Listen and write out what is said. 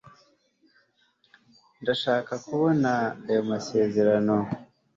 ndashaka kubona ayo masezerano